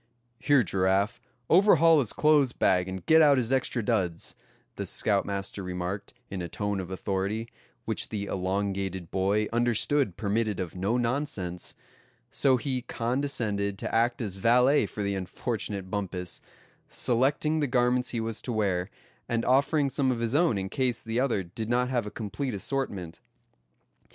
"Here, Giraffe, overhaul his clothes bag, and get out his extra duds," the scoutmaster remarked, in a tone of authority, which the elongated boy understood permitted of no nonsense; so he condescended to act as valet for the unfortunate Bumpus, selecting the garments he was to wear, and offering some of his own in case the other did not have a complete assortment.